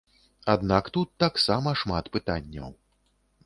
Аднак тут таксама шмат пытанняў.